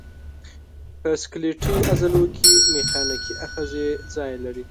په سکلیټي عضلو کې میخانیکي آخذې ځای لري.